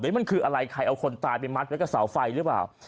มันคืออะไรใครเอาคนตายไปมัดไว้กับเสาไฟหรือเปล่า